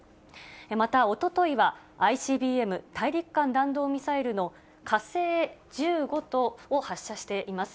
またおとといは、ＩＣＢＭ・大陸間弾道ミサイルの火星１５を発射しています。